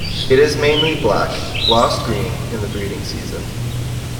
It is mainly black, glossed green, in the breeding season.